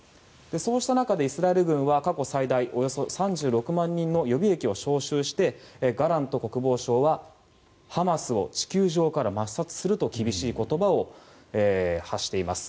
そうした中で、イスラエル軍は過去最大、およそ３６万人の予備役を招集してガラント国防相はハマスを地球上から抹殺すると厳しい言葉を発しています。